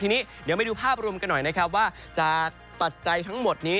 ทีนี้เดี๋ยวไปดูภาพรวมกันหน่อยนะครับว่าจากปัจจัยทั้งหมดนี้